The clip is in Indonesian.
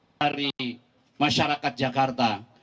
dari masyarakat jakarta